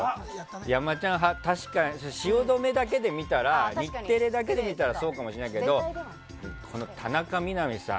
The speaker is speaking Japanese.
山ちゃん派は確かに汐留だけで見たら日テレだけで見たらそうかもしれないけど田中みな実さん